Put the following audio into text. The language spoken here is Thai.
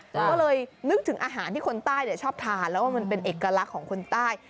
ก็เลยนึกถึงอาหารที่คนใต้ชอบทานแล้วว่ามันเป็นเอกลักษณ์ของคนใต้